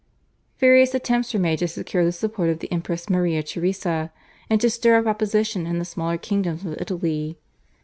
Various attempts were made to secure the support of the Empress Maria Theresa, and to stir up opposition in the smaller kingdoms of Italy.